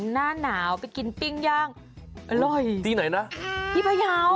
หน้าหนาวไปกินปิ้งย่างอร่อยที่ไหนนะที่พยาว